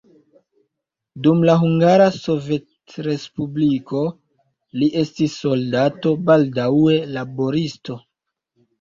Dum la Hungara Sovetrespubliko li estis soldato, baldaŭe laboristo.